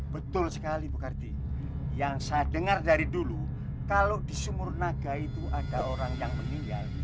betul sekali bukarti yang saya dengar dari dulu kalau di sumurnaga itu ada orang yang meninggal